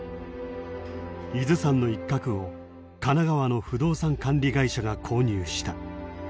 伊豆山の一角を神奈川の不動産管理会社が購入した。